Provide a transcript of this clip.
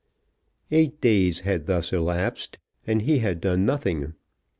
Eight days had thus elapsed, and he had done nothing.